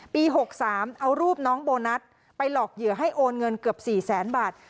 ๖๓เอารูปน้องโบนัสไปหลอกเหยื่อให้โอนเงินเกือบ๔แสนบาท